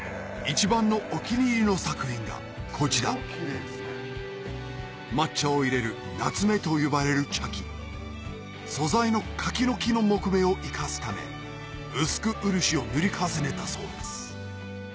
一番のお気に入りの作品がこちら抹茶を入れる棗と呼ばれる茶器素材の柿の木の木目を生かすため薄く漆を塗り重ねたそうです